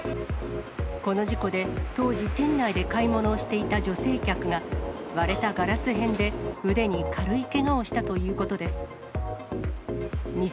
この事故で、当時店内で買い物をしていた女性客が、割れたガラス片で腕に軽いけがをしたということです。